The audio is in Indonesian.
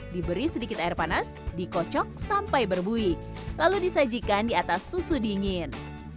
diberi sedikit air panas dikocok sampai berbuih lalu disajikan di atas susu dingin